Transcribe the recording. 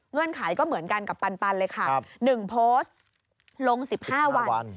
ไขก็เหมือนกันกับปันเลยค่ะ๑โพสต์ลง๑๕วัน